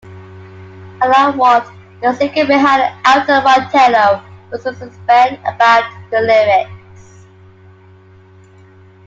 Alan Ward, the singer behind Elton Motello, was circumspect about the lyrics.